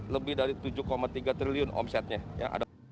lebih dari tujuh tiga triliun omsetnya